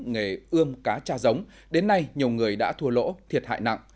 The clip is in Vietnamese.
nghề ươm cá cha giống đến nay nhiều người đã thua lỗ thiệt hại nặng